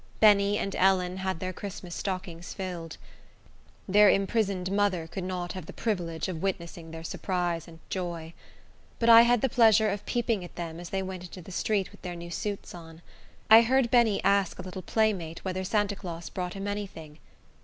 Benny and Ellen had their Christmas stockings filled. Their imprisoned mother could not have the privilege of witnessing their surprise and joy. But I had the pleasure of peeping at them as they went into the street with their new suits on. I heard Benny ask a little playmate whether Santa Claus brought him any thing.